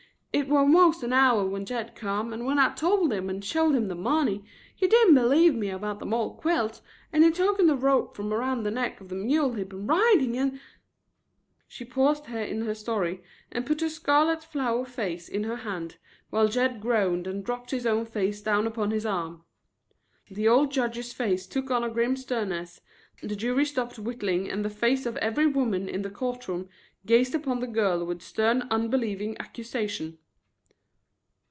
It war most a hour when Jed come and when I told him and showed him the money, he didn't believe me about them old quilts and he tooken the rope from around the neck of the mule he'd been riding and " She paused here in her story and put her scarlet flower face in her hands, while Jed groaned and dropped his own face down upon his arm. The old judge's face took on a grim sternness, the jury stopped whittling and the face of every woman in the court room gazed upon the girl with stern unbelieving accusation.